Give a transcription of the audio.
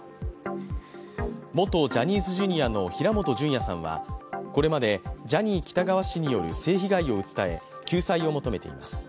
元ジャニーズＪｒ．の平本淳也さんはこれまでジャニー喜多川氏による性被害を訴え、救済を求めています。